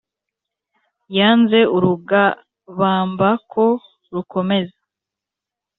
yanze urugabamba ko rukomeza